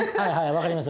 分かります